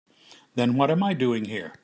Then what am I doing here?